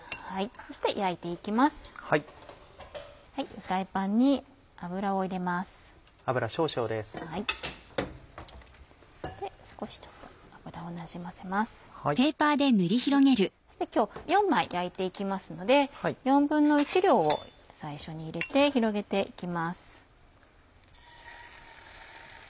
そして今日４枚焼いて行きますので１／４量を最初に入れて広げて行きます。